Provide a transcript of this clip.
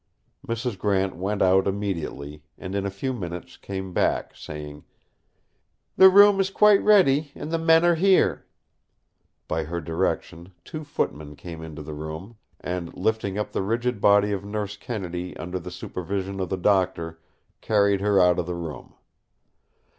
Mrs. Grant went out immediately; and in a few minutes came back saying: "The room is quite ready; and the men are here." By her direction two footmen came into the room and, lifting up the rigid body of Nurse Kennedy under the supervision of the Doctor, carried her out of the room.